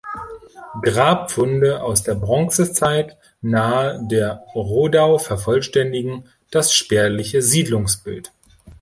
Grabfunde aus der Bronzezeit nahe der Rodau vervollständigen das spärliche Siedlungsbild.